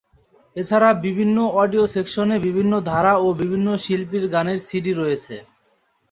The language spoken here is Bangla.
এছাড়া এটির অডিও সেকশনে বিভিন্ন ধারা ও বিভিন্ন শিল্পীর গানের সিডি রয়েছে।